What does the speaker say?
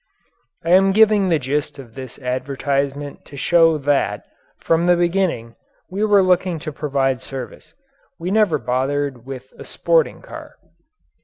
I am giving the gist of this advertisement to show that, from the beginning, we were looking to providing service we never bothered with a "sporting car."